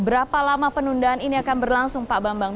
berapa lama penundaan ini akan berlangsung pak bambang